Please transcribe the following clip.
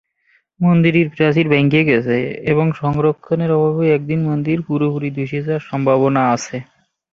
মন্দিরের প্রাচীর ভেঙে গিয়েছে এবং সংরক্ষণের অভাবে একদিন মন্দির পুরোপুরি ধসে যাওয়ার সম্ভাবনা রয়েছে।